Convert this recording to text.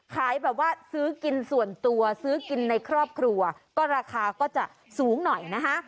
ขายแบบว่าซื้อกินส่วนตัวซื้อกินในครอบครัวก็ราคาก็จะสูงหน่อยนะคะ